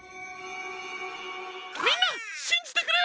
みんなしんじてくれ！